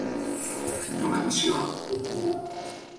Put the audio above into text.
Fue enterrada en el Cementerio Woodlawn de dicha ciudad.